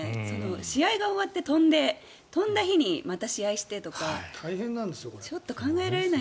試合が終わって飛んで飛んだ日にまた試合をしてとかちょっと考えられない。